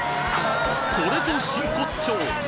これぞ真骨頂！